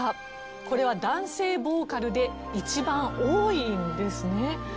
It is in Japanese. これは男性ボーカルで一番多いんですね。